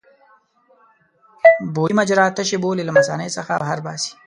بولي مجرا تشې بولې له مثانې څخه بهر باسي.